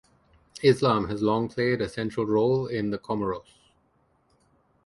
Islam has long played a central role in the Comoros.